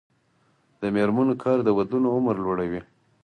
د میرمنو کار د ودونو عمر لوړوي.